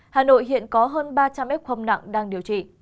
hà nội hiện có hơn ba trăm linh ép khâm nặng đang điều trị